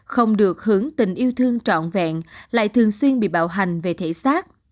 không được hưởng tình yêu thương trọn vẹn lại thường xuyên bị bạo hành về thể xác